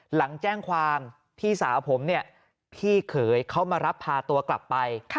หลังแจ้งความพี่สาวผมเนี่ยพี่เขยเขามารับพาตัวกลับไป